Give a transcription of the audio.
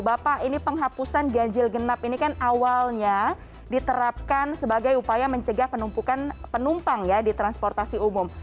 bapak ini penghapusan ganjil genap ini kan awalnya diterapkan sebagai upaya mencegah penumpukan penumpang ya di transportasi umum